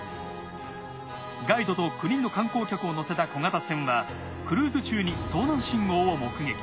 ガイドと９人の観光客を乗せた小型船はクルーズ中に遭難信号を目撃。